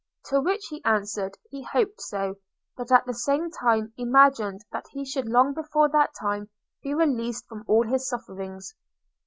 – To which he answered, he hoped so; but at the same time imagined that he should long before that time be released from all his sufferings.